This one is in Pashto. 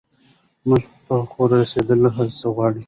موخو ته رسیدل هڅه غواړي.